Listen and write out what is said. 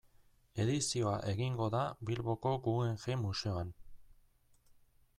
Edizioa egingo da Bilboko Guggenheim museoan.